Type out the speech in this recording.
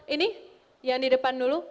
ini yang di depan dulu